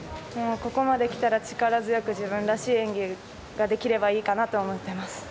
ここまできたら力強く自分らしい演技ができればいいかなと思ってます。